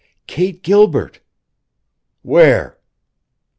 "Kate Gilbert!" "Where?"